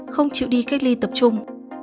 không chịu đi cách ly tập trung